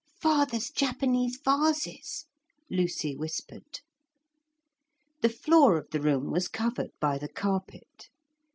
'Father's Japanese vases,' Lucy whispered. The floor of the room was covered by the carpet.